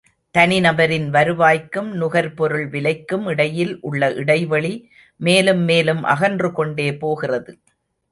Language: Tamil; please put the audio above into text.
தனி நபரின் வருவாய்க்கும் நுகர்பொருள் விலைக்கும் இடையில் உள்ள இடைவெளி மேலும், மேலும் அகன்று கொண்டே போகிறது.